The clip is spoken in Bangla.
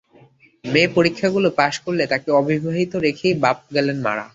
মেয়ে পরীক্ষাগুলো পাস করলে, তাকে অবিবাহিত রেখেই বাপ গেলেন মারা।